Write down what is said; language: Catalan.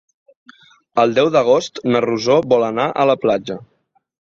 El deu d'agost na Rosó vol anar a la platja.